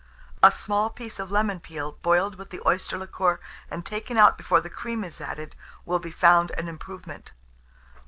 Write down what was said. A small piece of lemon peel boiled with the oyster liquor, and taken out before the cream is added, will be found an improvement.